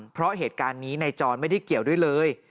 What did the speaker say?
เพราะเหตุการณ์นี้นายจรไม่ได้เกี่ยวด้วยเลย